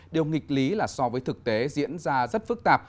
điều nghịch lý là so với thực tế diễn ra rất phức tạp